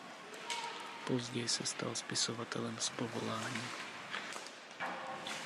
Později se stal spisovatelem z povolání.